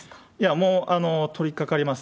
もう取りかかります。